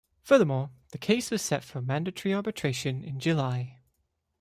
Furthermore, the case was set for mandatory arbitration in July.